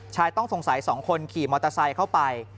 ชายต้องสงสัย๒คนขี่มอเตอร์ไซค์เข้าไป